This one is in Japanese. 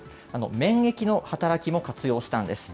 免疫の働きも活用したんです。